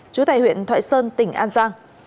chú tài huyện thoại sơn tỉnh an giang